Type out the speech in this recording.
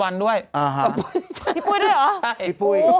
อะพุยพี่ปุ๊ยด้วยหรอ